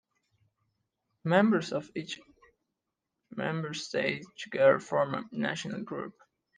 Members of each member state together form a "national group".